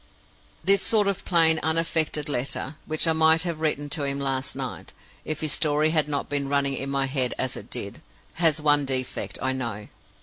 "This sort of plain, unaffected letter which I might have written to him last night, if his story had not been running in my head as it did has one defect, I know.